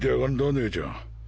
姉ちゃん。